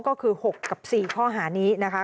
ก็คือ๖กับ๔ข้อหานี้นะคะ